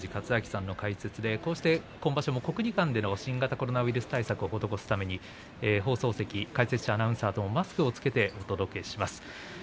今場所も国技館での新型コロナウイルス対策を施すために放送席、解説者、アナウンサーとマスクを着けてお届けします。